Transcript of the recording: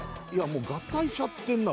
もう合体しちゃってんな